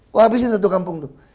gue habisin satu kampung itu